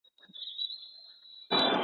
دا موضوع باید جدي ونیول سي.